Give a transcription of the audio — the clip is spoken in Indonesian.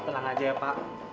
tenang aja ya pak